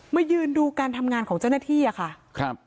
ยืนดูการทำงานของเจ้าหน้าที่อะค่ะครับ